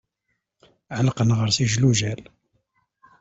Ɛelqen ɣer-s ijlujal.